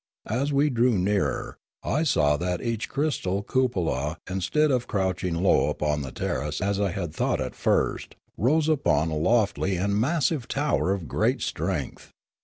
As we drew nearer, I saw that each crystal cupola, instead of crouching low upon the ter race as I had thought at first, rose upon a lofty and massive tower of great strength.